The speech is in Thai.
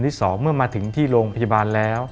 ที่๒เมื่อมาถึงที่โรงพยาบาลแล้ว